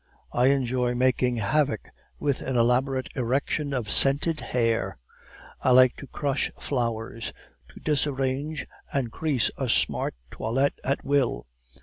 I enjoy making havoc with an elaborate erection of scented hair; I like to crush flowers, to disarrange and crease a smart toilette at will.